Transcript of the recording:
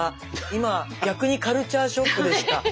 今逆にカルチャーショックでした。